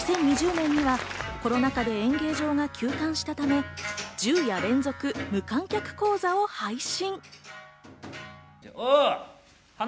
２０２０年にはコロナ禍で演芸場が休館したため、１０夜連続、無観客高座を配信。